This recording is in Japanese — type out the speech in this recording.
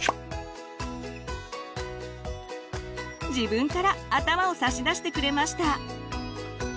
自分から頭を差し出してくれました。